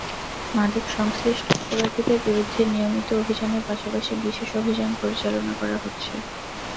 মাদক সংশ্লিষ্ট অপরাধীদের বিরুদ্ধে নিয়মিত অভিযানের পাশাপাশি বিশেষ অভিযান পরিচালনা করা হচ্ছে।